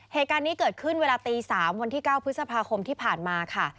เหตุการณ์นี้เกิดขึ้นเวลาตี๓วันที่๙พฤษภาคมที่ผ่านมาค่ะ